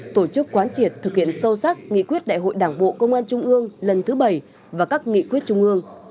tổ chức quán triệt thực hiện sâu sắc nghị quyết đại hội đảng bộ công an trung ương lần thứ bảy và các nghị quyết trung ương